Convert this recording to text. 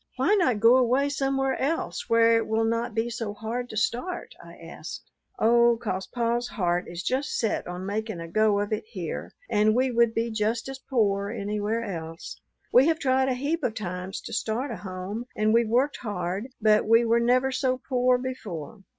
Why not go away somewhere else, where it will not be so hard to start?" I asked. "Oh, 'cause pa's heart is just set on making a go of it here, and we would be just as pore anywhere else. We have tried a heap of times to start a home, and we've worked hard, but we were never so pore before.